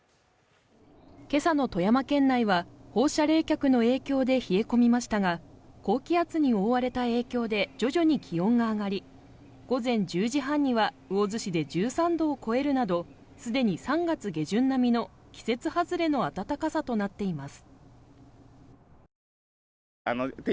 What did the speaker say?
今朝の富山県内は放射冷却の影響で冷え込みましたが高気圧に覆われた影響で徐々に気温が上がり午前１０時半には魚津市で１３度を超えるなどすでに３月下旬並みの季節外れの暖かさとなっています